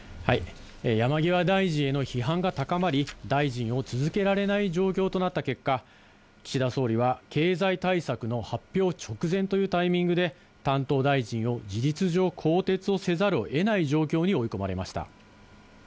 山際大臣への批判が高まり、大臣を続けられない状況となった結果、岸田総理は経済対策の発表直前というタイミングで、担当大臣を事実上、更迭をせざるをえない状況に追い込まれました。